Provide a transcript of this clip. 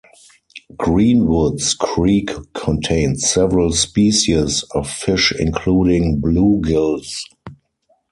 Greenwood's creek contains several species of fish including bluegills.